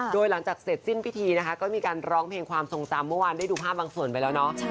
โดยหลังจากเสร็จสิ้นพิธีนะคะก็มีการร้องเพลงความทรงจำเมื่อวานได้ดูภาพบางส่วนไปแล้วเนาะ